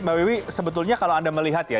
mbak wiwi sebetulnya kalau anda melihat ya